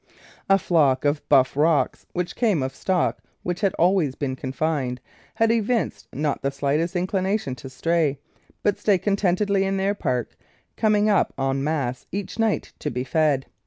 A flock of Buff Rocks, which came of stock THE LOCATION OF THE GARDEN which had always been confined, have evinced not the shghtest incHnation to stray, but stay content edly in their park, coming up en masse each night to be fed.